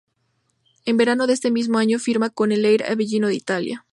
En verano de ese mismo año firma con el Air Avellino de Italia.